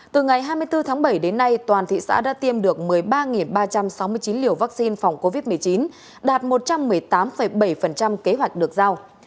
từ ngày hai mươi bốn tháng bảy đến nay toàn thị xã đã tiêm được một mươi ba ba trăm sáu mươi chín liều vaccine phòng covid một mươi chín đạt một trăm một mươi tám bảy kế hoạch được giao